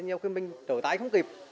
nhiều khi mình trở tại không kịp